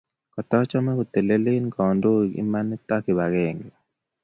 katachame ketelel eng kandoik ,imanit ak kipagenge